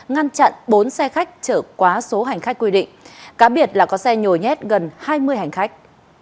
ngăn chặn bốn xe khách chở quá số hành khách quy định cá biệt là có xe nhồi nhét gần hai mươi hành khách